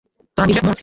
Turangije umunsi.